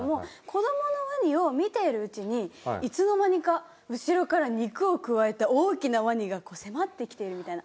子供のワニを見ているうちにいつの間にか後ろから肉をくわえた大きなワニがこう迫ってきているみたいな。